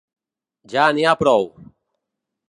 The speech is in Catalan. Ja n’hi ha prou!